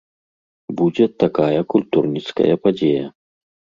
Будзе такая культурніцкая падзея.